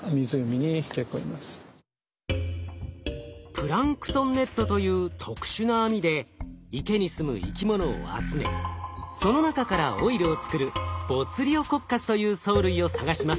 プランクトンネットという特殊な網で池にすむ生き物を集めその中からオイルを作るボツリオコッカスという藻類を探します。